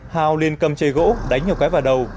hào liền cầm chê gỗ đánh nhiều cái vào đầu